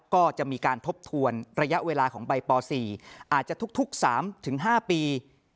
ก็จะมีการทบทวนระยะเวลาของใบป๔อาจจะทุก๓๕ปี